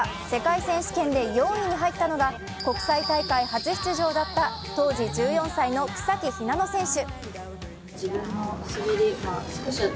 そんな中、世界選手権で４位に入ったのが国際大会初出場だった当時１４歳だった草木ひなの選手。